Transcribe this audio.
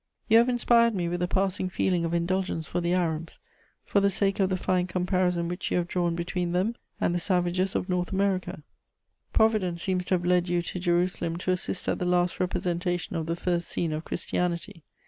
"You have inspired me with a passing feeling of indulgence for the Arabs, for the sake of the fine comparison which you have drawn between them and the savages of North America. "Providence seems to have led you to Jerusalem to assist at the last representation of the first scene of Christianity.